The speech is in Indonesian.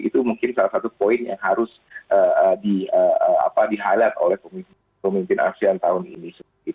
itu mungkin salah satu poin yang harus di highlight oleh pemimpin asean tahun ini